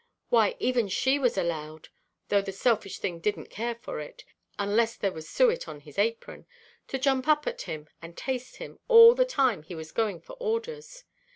—why, even she was allowed, though the selfish thing didnʼt care for it, unless there was suet on his apron, to jump up at him and taste him, all the time he was going for orders.